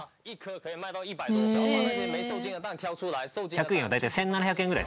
１００元は大体１７００円ぐらいですね。